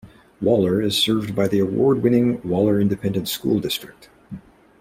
Waller is served by the award-winning Waller Independent School District.